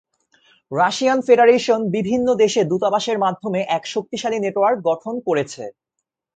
Russian federation বিভিন্ন দেশে দূতাবাসের মাধ্যমে এক শক্তিশালী নেটওয়ার্ক গঠন করেছে।